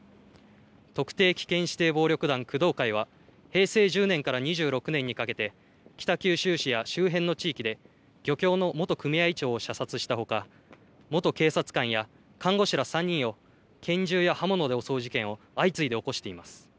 特定危険指定暴力団工藤会は平成１０年から２６年にかけて北九州市や周辺の地域で漁協の元組合長を射殺したほか元警察官や看護師ら３人を拳銃や刃物で襲う事件を相次いで起こしています。